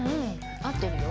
合ってるよ。